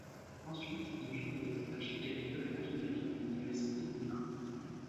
Ensuite il fit des études d'architecture et d’ingénierie à l'Université de Louvain.